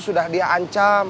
sudah dia ancam